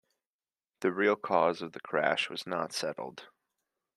The real cause of the crash was not settled.